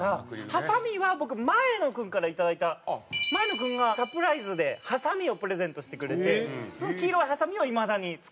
ハサミは僕前野君からいただいた前野君がサプライズでハサミをプレゼントしてくれてその黄色いハサミをいまだに使ってます。